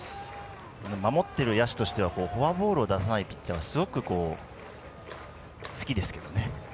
守ってる野手としてはフォアボールを出さないピッチャーはすごく好きですけどね。